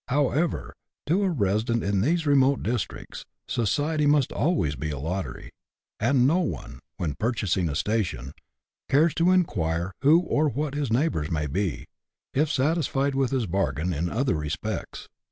However, to a resident in these remote districts, society must always be a lottery ; and no one, when purchasing a station, cares to inquire who or what his neighbours may be, if satisfied with his bargain in other respects.